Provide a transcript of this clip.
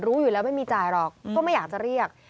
รู้อยู่แล้วไม่มีจ่ายหรอกก็ไม่อยากจะเรียก